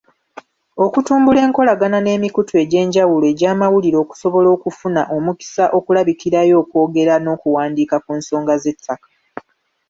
Okutumbula enkolagana n’emikutu egyenjawulo egyamawulire okusobola okufuna omukisa okulabikirayo okwogera n’okuwandiika ku nsonga z’ettaka.